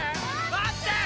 待ってー！